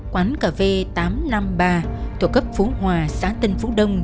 quán cà phê tám trăm năm mươi ba thuộc cấp phú hòa xã tân phú đông